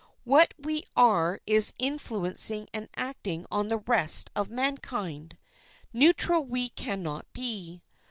What we are is influencing and acting on the rest of mankind. Neutral we can not be.